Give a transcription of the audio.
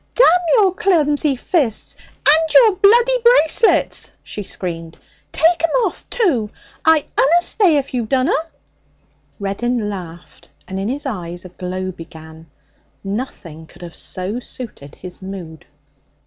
'Damn your clumsy fists and your bloody bracelets!' she screamed. 'Take 'em off, too! I 'unna stay if you dunna!' Reddin laughed, and in his eyes a glow began; nothing could have so suited his mood.